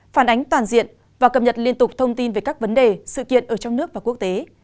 phản ánh toàn diện và cập nhật liên tục thông tin về các vấn đề sự kiện ở trong nước và quốc tế